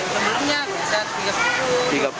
sebelumnya bisa tiga puluh